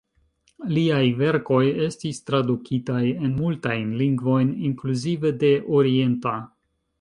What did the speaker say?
Liaj verkoj estis tradukitaj en multajn lingvojn, inkluzive de orienta.